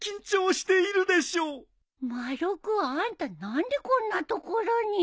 丸尾君あんた何でこんな所に。